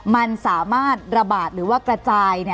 มันสามารถระบาดหรือว่ากระจาย